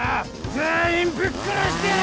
全員ぶっ殺してやる！